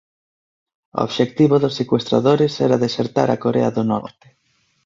O obxectivo dos secuestradores era desertar a Corea do Norte.